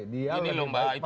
dia lebih berani